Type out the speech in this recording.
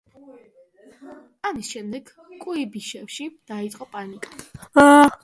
ამის შემდეგ კუიბიშევში დაიწყო პანიკა.